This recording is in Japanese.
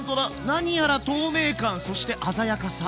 何やら透明感そして鮮やかさ。